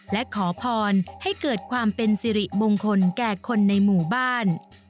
และขอพรให้เกิดความเป็นสิริมงคลแก่คนในหมู่บ้าน